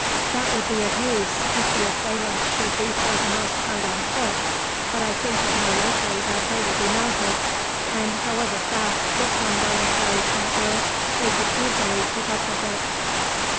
"That would be of use, if the assailants should be for the most part on foot, but I think it more likely that they will be mounted, and however fast this lumbering carriage might go, they could easily keep up with it.